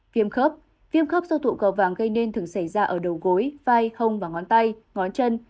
viêm khớp viêm khớp do tụ cầu vang gây nên thường xảy ra ở đầu gối vai hông và ngón tay ngón chân